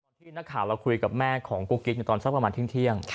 บอกที่นาคารเราคุยกับแม่ของนาสาวกุบกิ๊กตอนสักที่ที่เที่ยง